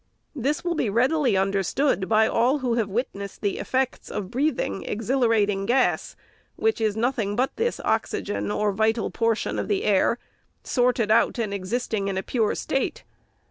This will be readily understood, by all who have witnessed the effects of breathing exhila rating gas, which is nothing but this oxygen or vital por tion of the air, sorted out and existing in a pure state.